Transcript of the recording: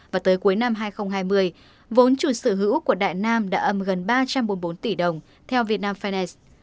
và tới cuối năm hai nghìn hai mươi vốn chủ sở hữu của đại nam đã âm gần ba trăm bốn mươi bốn tỷ đồng theo việt nam finance